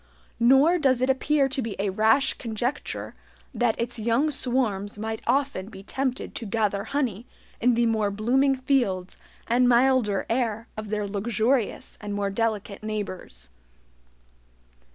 Nor does it appear to be a rash conjecture that its young swarms might often be tempted to gather honey in the more blooming fields and milder air of their luxurious and more delicate neighbors.